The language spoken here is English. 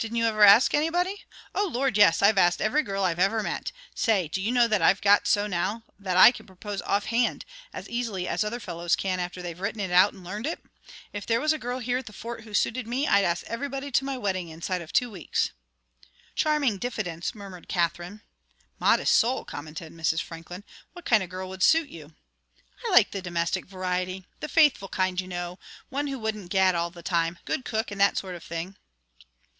"Didn't you ever ask anybody?" "Oh, Lord, yes! I've asked every girl I've ever met. Say, do you know that I've got so now that I can propose off hand, as easily as other fellows can after they've written it out and learned it? If there was a girl here at the Fort who suited me, I'd ask everybody to my wedding inside of two weeks." "Charming diffidence," murmured Katherine. "Modest soul," commented Mrs. Franklin. "What kind of a girl would suit you?" "I like the domestic variety. The faithful kind, you know. One who wouldn't gad all the time. Good cook, and that sort of thing."